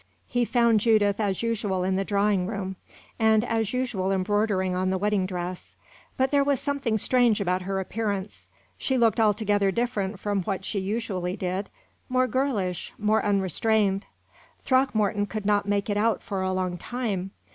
He found Judith as usual in the drawing room, and as usual embroidering on the wedding dress. But there was something strange about her appearance; she looked altogether different from what she usually did more girlish, more unrestrained. Throckmorton could not make it out for a long time.